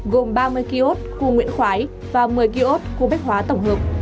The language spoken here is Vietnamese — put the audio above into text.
gồm ba mươi kiosk khu nguyễn khoái và một mươi kiosk khu bách hóa tổng hợp